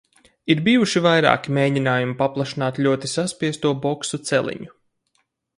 Ir bijuši vairāki mēģinājumi paplašināt ļoti saspiesto boksu celiņu.